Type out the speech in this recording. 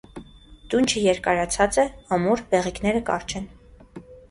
Դունչը երկարացած է, ամուր, բեղիկները կարճ են։